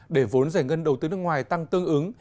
để vốn giải ngân đầu tư nước ngoài tăng tương ứng